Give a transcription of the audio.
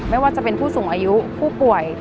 ไม่ว่าจะเป็นผู้สูงอายุผู้ป่วย